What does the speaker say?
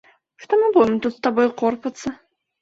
Што мы будзем тут з табою корпацца.